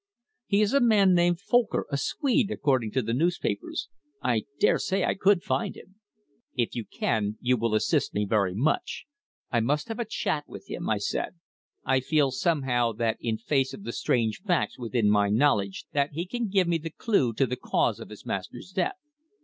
"He is a man named Folcker, a Swede, according to the newspapers. I dare say I could find him." "If you can, you will assist me very much. I must have a chat with him," I said. "I feel somehow that in face of the strange facts within my knowledge that he can give me the clue to the cause of his master's death."